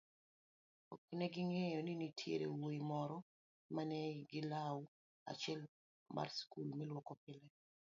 ok neging'eyo ni nitiere wuoyi moro manenigi lau achielmarskulmaneluokopile